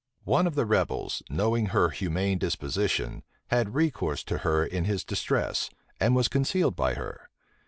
One of the rebels, knowing her humane disposition, had recourse to her in his distress, and was concealed by her.